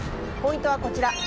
ポイントはこちら。